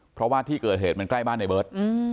เพราะว่าที่เกิดเหตุมันใกล้บ้านในเบิร์ต